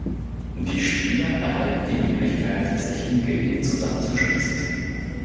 Die Spieler erhalten die Möglichkeit, sich in Gilden zusammenzuschließen.